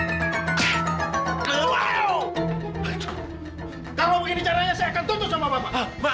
kalau begini caranya saya akan tuntus sama bapak